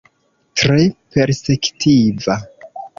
Tre perspektiva.